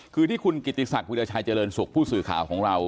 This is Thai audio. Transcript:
คือที่คุณกิติศักดิราชัยเจริญสุขผู้สื่อข่าวของเรา